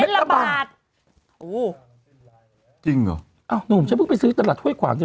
เม็ดละบาทอู้จริงเหรออ้าวหนูฉันเพิ่งไปซื้อตลาดถ้วยกว่าง